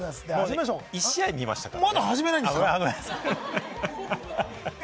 １試合、見ましたからね。